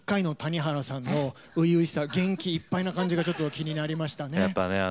第１回の谷原さんの初々しさ元気いっぱいなのが気になりましたね。